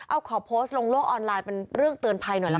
เอาขอโพสต์ลงโลกออนไลน์เป็นเรื่องเตือนภัยหน่อยละกัน